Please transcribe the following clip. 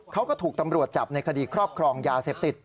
เขาก็ถูกตำรวจจับในคดีครอบครองยาเสพติด